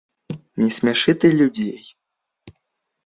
Не смяшы ты людзей.